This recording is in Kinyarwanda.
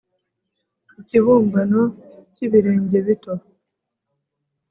ikibumbano cyibirenge bito-